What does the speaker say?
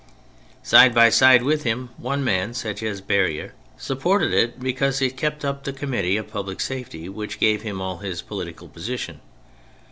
Side by side with him one man, such as Barrere, sup ported it because it kept up the Committee of Public Safety which gave him all his political position.